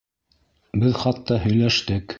Беҙ хатта һөйләштек.